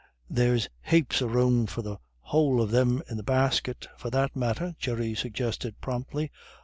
"There's hapes of room for the whole of them in the basket, for that matter," Jerry suggested promptly.